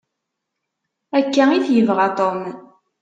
Akka i t-yebɣa Tom.